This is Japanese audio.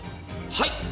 はい！